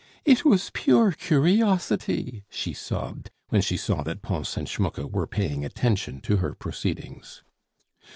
"It was pure curiosity!" she sobbed, when she saw that Pons and Schmucke were paying attention to her proceedings.